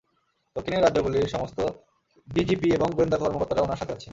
দক্ষিণের রাজ্যগুলির সমস্ত ডিজিপি এবং গোয়েন্দা কর্মকর্তারা উনার সাথে আছেন।